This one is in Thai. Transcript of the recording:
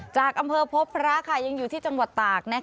จากอำเภอพบพระยังอยู่ที่จังหวัดตาก